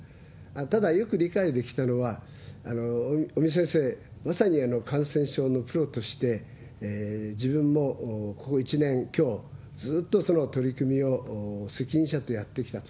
ただ、よく理解できたのは、尾身先生、まさに感染症のプロとして、自分もここ１年強、ずっとその取り組みを責任者とやってきたと。